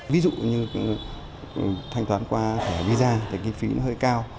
ví dụ như thanh toán qua visa thì kinh phí hơi cao